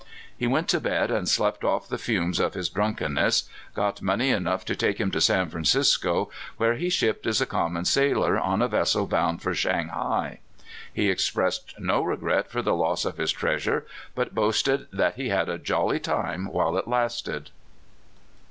He went to bed and slept off the fumes of his drunkenness, got money enough to take him to San Francisco, where he shipped as a common sailor on a vessel bound for Shanghai. He expressed no regret for the loss of his treasure, but boasted that he had a jolly time while it lasted.